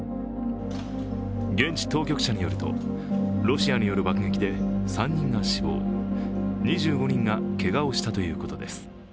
現地当局者によると、ロシアによる爆撃で３人が死亡、２５人がけがをしたということす。